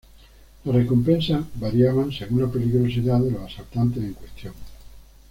Las recompensas variaban según la peligrosidad de los asaltantes en cuestión.